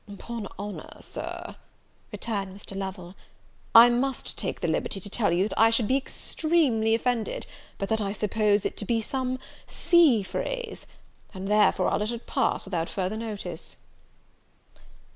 "'Pon honour, Sir," returned Mr. Lovel, "I must take the liberty to tell you, that I should be extremely offended, but that I suppose it to be some sea phrase; and therefore I'll let it pass without further notice."